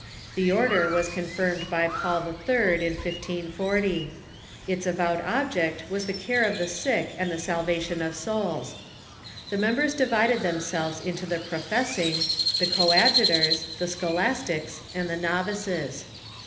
The order was confirmed by Paul III. in 1540. Its avowed object was the care of the sick and the salvation of souls. The mem bers divided themselves into the Professing, the Coadjutors, the Scholastics, and the Novices.